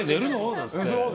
なんつって。